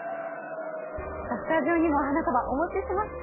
スタジオにも花束をお持ちしました。